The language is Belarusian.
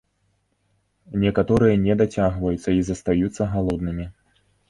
Некаторыя не дацягваюцца і застаюцца галоднымі.